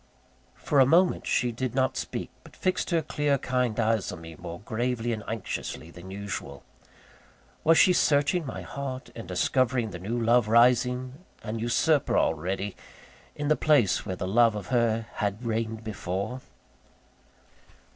For a moment she did not speak; but fixed her clear, kind eyes on me more gravely and anxiously than usual. Was she searching my heart, and discovering the new love rising, an usurper already, in the place where the love of her had reigned before?